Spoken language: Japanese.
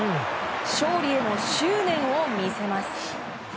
勝利への執念を見せます。